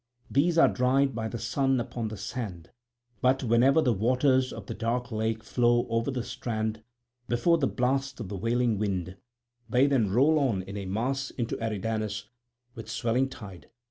These are dried by the sun upon the sand; but whenever the waters of the dark lake flow over the strand before the blast of the wailing wind, then they roll on in a mass into Eridanus with swelling tide.